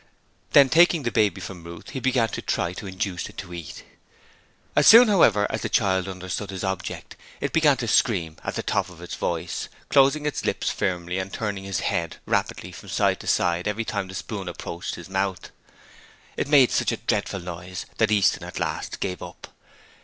Then taking the baby from Ruth he began to try to induce it to eat. As soon, however, as the child understood his object, it began to scream at the top of its voice, closing its lips firmly and turning its head rapidly from side to side every time the spoon approached its mouth. It made such a dreadful noise that Easton at last gave in.